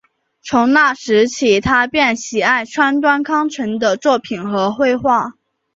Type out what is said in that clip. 从那时起他便喜爱川端康成的作品和绘画。